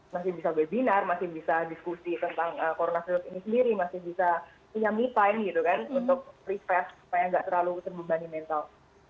masih bisa webinar masih bisa diskusi tentang coronavirus ini sendiri masih bisa punya me time gitu kan untuk refresh supaya nggak terlalu terbebani mental